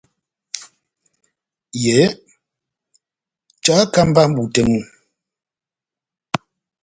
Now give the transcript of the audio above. Yehé jáhákamba iwa mʼbú tɛ́h mú.